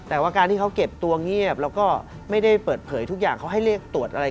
แต่ว่าการที่เขาเก็บตัวเงียบแล้วก็ไม่ได้เปิดเผยทุกอย่างเขาให้เรียกตรวจอะไร